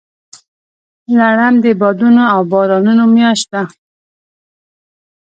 لړم د بادونو او بارانونو میاشت ده.